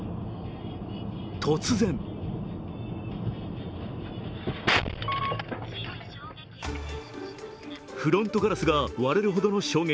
突然フロントガラスが割れるほどの衝撃。